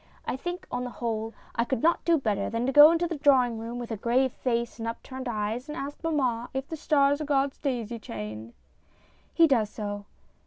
I think, on the whole, I could not do better than go into the draw ing room with a grave face and upturned eyes and ask mamma if the stars are God's daisy chain. [He does so.